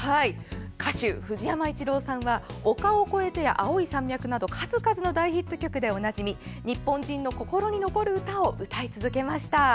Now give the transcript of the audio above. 歌手・藤山一郎さんは「丘を越えて」や「青い山脈」など数々の大ヒット曲でおなじみ日本人の心に残る歌を歌い続けました。